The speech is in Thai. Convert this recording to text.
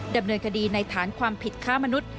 ดำเนินคดีในฐานความผิดค้ามนุษย